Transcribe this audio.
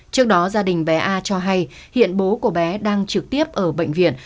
trước đó gia đình bé a cho hay hiện bố của bé đang trực tiếp ở bệnh viện